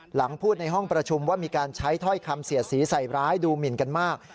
หลังพูดในห้องประชุมว่ามีการใช้ถ้อยคำเสียดสีใส่ร้ายดูหมินกันมาก